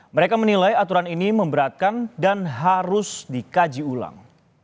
mereka menilai aturan ini memberatkan dan harus dikaji ulang